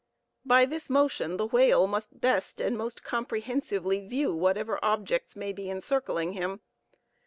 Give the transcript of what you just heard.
By this motion the whale must best and most comprehensively view whatever objects may be encircling him.